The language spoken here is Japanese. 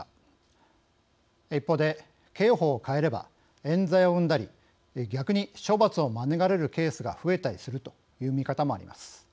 一方で刑法を変えればえん罪を生んだり逆に処罰を免れるケースが増えたりするという見方もあります。